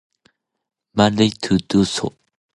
Marie to do so.